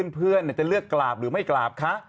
เพื่อนจะเลือกกราบหรือไม่กราบคะ